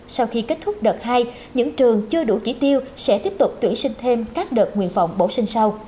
sau khi kết thúc đợt hai những trường chưa đủ chỉ tiêu sẽ tiếp tục tuyển sinh thêm các đợt nguyện phòng bổ sung sau